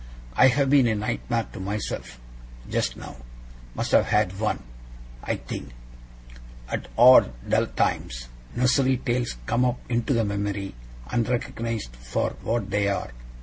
I have been a nightmare to myself, just now must have had one, I think. At odd dull times, nursery tales come up into the memory, unrecognized for what they are.